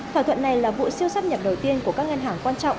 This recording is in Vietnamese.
thỏa thuận này là vụ siêu sắp nhập đầu tiên của các ngân hàng quan trọng